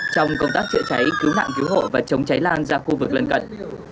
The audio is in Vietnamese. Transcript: trong công tác chữa cháy cứu nạn cứu hộ và chống cháy lan ra khu vực lân cận